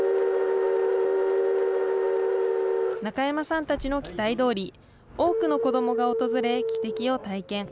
中山さんたちの期待どおり、多くの子どもが訪れ、汽笛を体験。